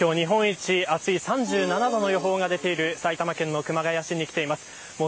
今日、日本一暑い３７度の予報が出ている埼玉県の熊谷市に来ています。